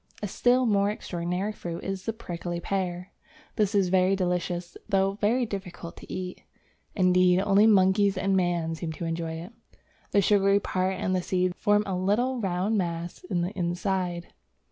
A still more extraordinary fruit is the prickly pear; this is very delicious though very difficult to eat. Indeed, only monkeys and man seem able to enjoy it. The sugary part and the seeds form a little round mass in the inside.